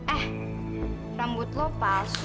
eh rambut lo palsu